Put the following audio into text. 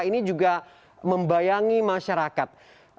ini juga membayangi masyarakat